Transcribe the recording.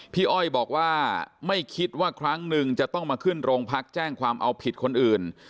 อ้อยบอกว่าไม่คิดว่าครั้งหนึ่งจะต้องมาขึ้นโรงพักแจ้งความเอาผิดคนอื่น